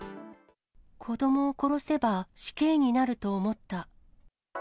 子どもを殺せば死刑になると思った。